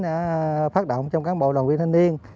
đã phát động trong cán bộ đoàn viên thanh niên